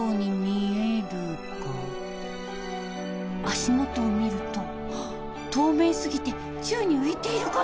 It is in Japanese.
足元を見ると透明すぎて宙に浮いているかのよう。